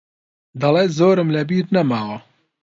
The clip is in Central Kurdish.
دەڵێت زۆرم لەبیر نەماوە.